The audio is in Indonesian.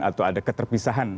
atau ada keterpisahan